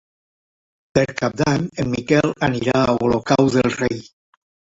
Per Cap d'Any en Miquel anirà a Olocau del Rei.